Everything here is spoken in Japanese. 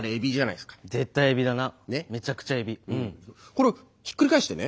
これをひっくり返してね。